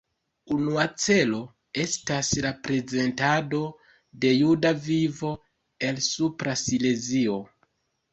Unua celo estas la prezentado de juda vivo el Supra Silezio.